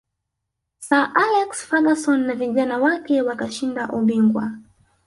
sir alex ferguson na vijana wake wakashinda ubingwa